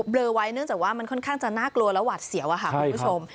เลอไว้เนื่องจากว่ามันค่อนข้างจะน่ากลัวและหวัดเสียวค่ะคุณผู้ชม